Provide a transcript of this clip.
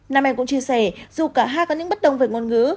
nam em cũng chia sẻ dù cả hai có những bất đồng về ngôn ngữ